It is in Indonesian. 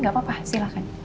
gak apa apa silahkan